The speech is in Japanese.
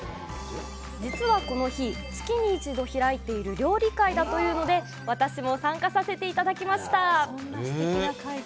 実はこの日月に１度開いている料理会だというので私も参加させて頂きました！